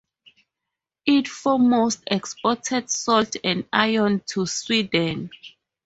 It foremost exported salt and iron to Sweden.